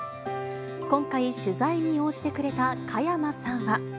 今回、取材に応じてくれた加山さんは。